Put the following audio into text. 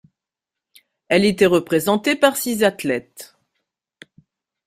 Elle était représentée par six athlètes.